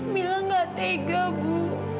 mila gak tega bu